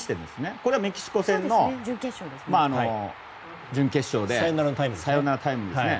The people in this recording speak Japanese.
これはメキシコ戦、準決勝のサヨナラタイムリーですね。